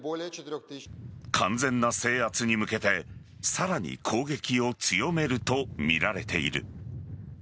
完全な制圧に向けてさらに攻撃を強めるとみられている。